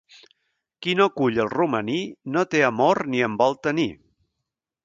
Qui no cull el romaní no té amor ni en vol tenir.